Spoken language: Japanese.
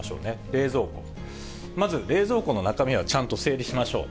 冷蔵庫、まず冷蔵庫の中身はちゃんと整理しましょう。